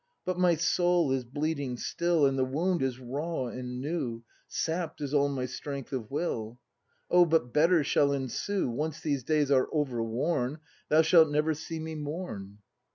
But my soul is bleeding still. And the wound is raw and new — Sapp'd is all my strength of will. Oh, but better shall ensue! Once these days are overworn. Thou shalt never see me mourn!